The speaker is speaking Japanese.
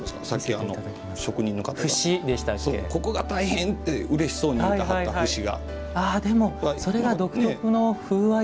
ここが大変ってうれしそうにいってはった節が。